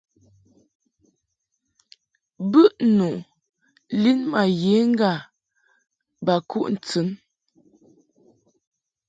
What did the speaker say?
Bɨʼnu lin ma ye ŋga ba kuʼ ntɨn.